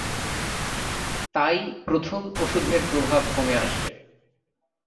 তাই, প্রথম ওষুধের প্রভাব কমে আসবে।